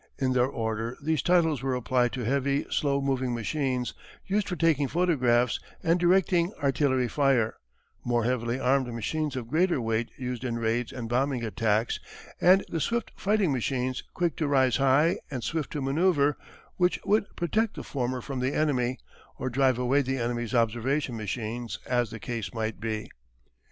In their order these titles were applied to heavy slow moving machines used for taking photographs and directing artillery fire, more heavily armed machines of greater weight used in raids and bombing attacks, and the swift fighting machines, quick to rise high, and swift to manoeuvre which would protect the former from the enemy, or drive away the enemy's observation machines as the case might be.